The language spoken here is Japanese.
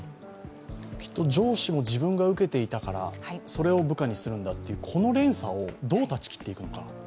きっと上司も自分が受けていたからそれを部下にするんだというこの連鎖をどう断ち切っていくのか。